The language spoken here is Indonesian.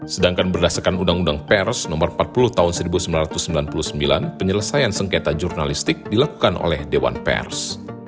sedangkan berdasarkan undang undang pers nomor empat puluh tahun seribu sembilan ratus sembilan puluh sembilan penyelesaian sengketa jurnalistik dilakukan oleh dewan pers